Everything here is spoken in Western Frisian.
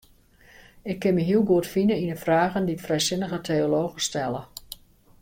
Ik kin my heel goed fine yn de fragen dy't frijsinnige teologen stelle.